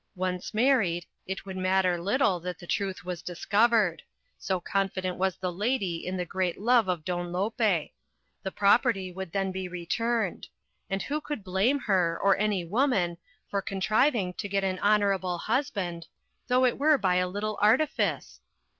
Once married, it would matter little that the truth was discovered, so confident was the lady in the great love of Don Lope; the property would then be returned; and who could blame her, or any woman, for contriving to get an honourable husband, though it were by a little artifice?